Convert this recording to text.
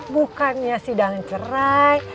bukannya sidang cerai